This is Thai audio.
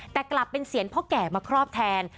แต่กลับเป็นเสียงพ่อแก่มาครอบแทน